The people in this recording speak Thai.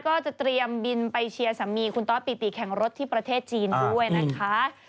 ก็จะเตรียมบินไปเชียร์สามีคุณตอสปิติแข่งรถที่ประเทศจีนด้วยนะคะ